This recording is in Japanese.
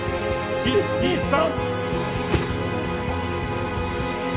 ・１２３。